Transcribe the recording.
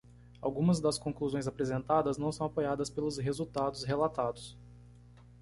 Algumas das conclusões apresentadas não são apoiadas pelos resultados relatados.